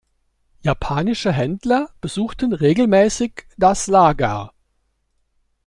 Japanische Händler besuchten regelmäßig das Lager.